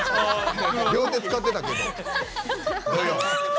両手使ってたけど。